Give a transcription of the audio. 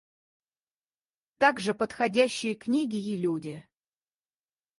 Также подходящие книги и люди.